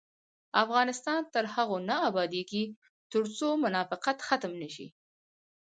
افغانستان تر هغو نه ابادیږي، ترڅو منافقت ختم نشي.